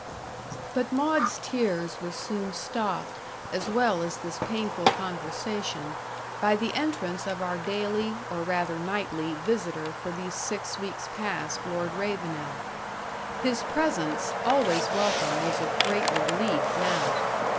But Maud's tears were soon stopped, as well as this painful conversation, by the entrance of our daily, or rather nightly, visitor for these six weeks past, Lord Ravenel. His presence, always welcome, was a great relief now.